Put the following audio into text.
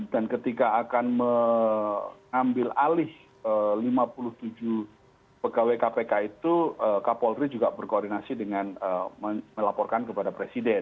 dan ketika akan mengambil alih lima puluh tujuh pegawai kpk itu kapolri juga berkoordinasi dengan melaporkan kepada presiden